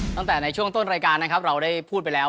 ตั้งแต่ในช่วงต้นรายการนะครับเราได้พูดไปแล้ว